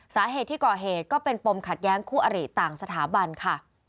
สาเหตุที่ก่อเหตุก็เป็นปมขัดแย้งคู่อริต่างสถาบันค่ะ